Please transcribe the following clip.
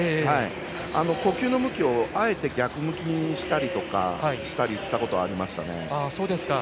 呼吸の向きをあえて逆向きにしたりとかしたことありましたね。